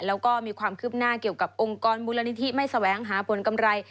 แล้วก็มีความคืบหน้าเกี่ยวกับองค์กรมูลนิธิไม่แสวงหาผลกำไร